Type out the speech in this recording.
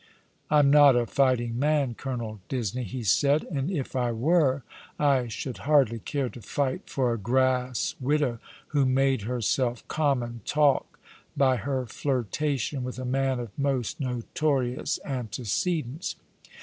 "I'm not a fighting man. Colonel Disney/' he said; "and if I were I should hardly care to fight for a grass widow who made herself common talk by her flirtation with a man of most notorious antecedents.